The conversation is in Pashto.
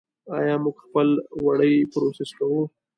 آیا موږ خپل وړۍ پروسس کوو؟